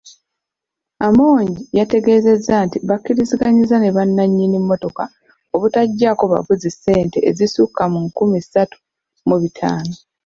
Amongi yategeezezza nti bakkiriziganyizza ne bannanyini mmotoka obutaggyaako bavuzi ssente ezisukka mu nkumi ssatu mu bitaano.